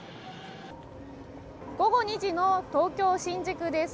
午後２時の東京・新宿です。